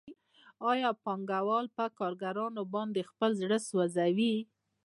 آیا پانګوال په کارګرانو باندې خپل زړه سوځوي